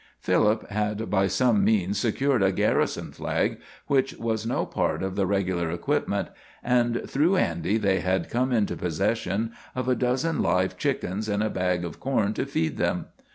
Philip had by some means secured a garrison flag, which was no part of the regular equipment; and through Andy they had come into possession of a dozen live chickens and a bag of corn to feed them.